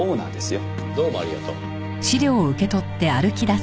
どうもありがとう。